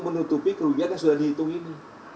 menutupi kerugian yang sudah dihitung ini